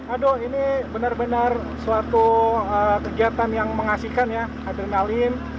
aduh ini benar benar suatu kegiatan yang mengasihkan ya adrenalin